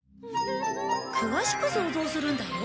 詳しく想像するんだよ。